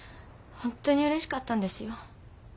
ホントにうれしかったです。